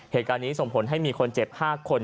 เหตุการณ์นี้ส่งผลให้มีคนเจ็บ๕คน